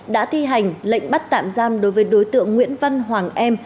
đã thi hành lệnh bắt tạm giam đối với đối tượng nguyễn văn hoàng em